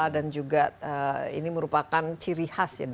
dan juga ini merupakan ciri khas ya dari yang namanya selandia baru